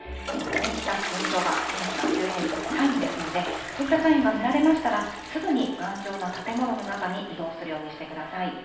こういった現象が、天気が急変するサインですので、こういったサインが見られましたら、すぐに頑丈な建物の中に移動するようにしてください。